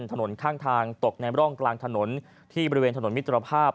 ข้างทางตกในร่องกลางถนนที่บริเวณถนนมิตรภาพ